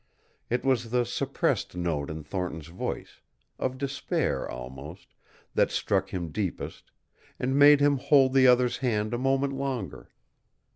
It was the suppressed note in Thornton's voice, of despair almost, that struck him deepest, and made him hold the other's hand a moment longer.